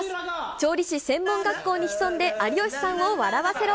調理師専門学校に潜んで有吉さんを笑わせろ！